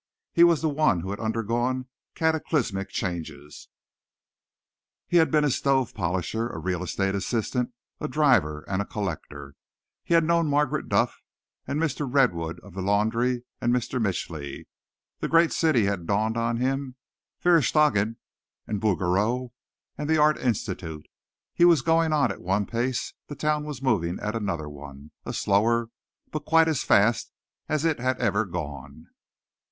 He was the one who had undergone cataclysmic changes. He had a been a stove polisher, a real estate assistant, a driver and a collector. He had known Margaret Duff, and Mr. Redwood, of the laundry, and Mr. Mitchly. The great city had dawned on him; Verestchagin, and Bouguereau, and the Art Institute. He was going on at one pace, the town was moving at another one a slower, but quite as fast as it had ever gone.